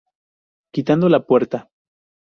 Quitando la puerca.